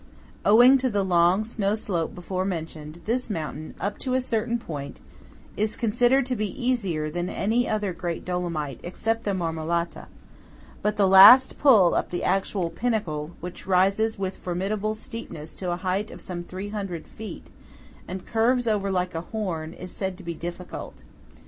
Owing to the long snow slope before mentioned, this mountain, up to a certain point, is considered to be easier than any other great Dolomite except the Marmolata; but the last pull up the actual pinnacle, which rises "with formidable steepness" to a height of some three hundred feet, and curves over like a horn, is said to be difficult.